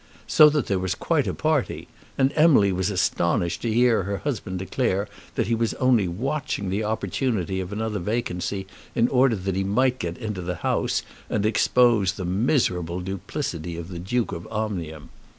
So that there was quite a party; and Emily was astonished to hear her husband declare that he was only watching the opportunity of another vacancy in order that he might get into the House, and expose the miserable duplicity of the Duke of Omnium.